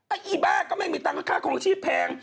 อีบ้าก็ไม่มีตังค์ค่าคลองชีพแพง